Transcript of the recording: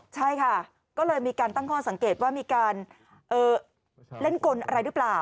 ใช่ค่ะก็เลยมีการตั้งข้อสังเกตว่ามีการเล่นกลอะไรหรือเปล่า